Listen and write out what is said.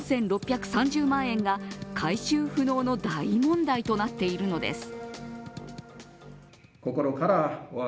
４６３０万円が回収不能の大問題となっているのです。